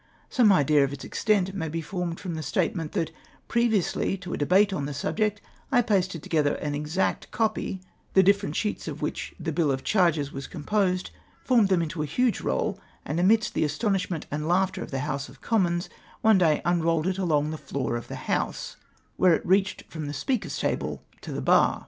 Some idea of its extent may be formed from tlie statement that, previously to a debate on the subject, I pasted together an exact copy the different slieets of which the bill of charges was composed, formed them into a huge roll, and, amidst the astonisliment and laughter of the House of Com mons, one day unrolled it along the floor of the House, when it reached from tlie Speaker's table to the l3ar